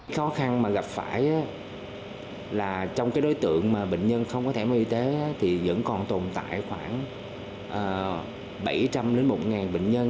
khó khăn mà gặp phải là trong cái đối tượng mà bệnh nhân không có thẻ bảo hiểm y tế thì vẫn còn tồn tại khoảng bảy trăm linh đến một bệnh nhân